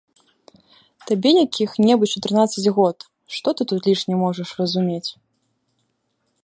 Табе якіх-небудзь чатырнаццаць год, што ты тут лішне можаш разумець.